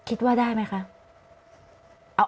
คิดว่าได้ไหมคะ